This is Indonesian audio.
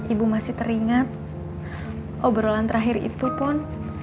ibu masih teringat obrolan terakhir itu pun